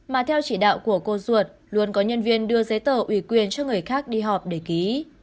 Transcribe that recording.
mà theo chỉ đạo của cô ruột luôn có nhân viên đưa giấy tờ ủy quyền cho người khác đi họp để ký